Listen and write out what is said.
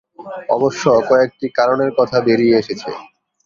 অবশ্য কয়েকটি কারণের কথা বেরিয়ে এসেছে।